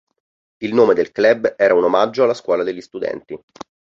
Il nome del club era un omaggio alla scuola degli studenti.